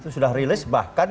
sudah rilis bahkan